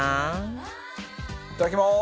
いただきます！